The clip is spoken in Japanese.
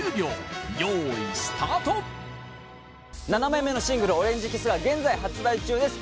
７枚目のシングル「オレンジｋｉｓｓ」は現在発売中です